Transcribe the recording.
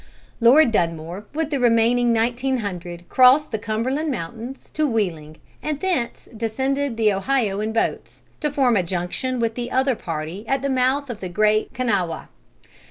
Lord Dunmore with the remaining nineteen hundred crossed the Cumberland mountains to Wheeling, and thence descended the Ohio in boats, to form a junction with the other party at the mouth of the Great Kanawha.